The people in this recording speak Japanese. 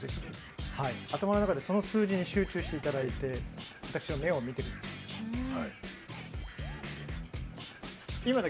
頭の中でその数字に集中していただいて私の目を見てください。